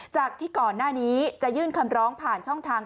จากที่ก่อนหน้านี้จะยื่นคำร้องผ่านช่องทาง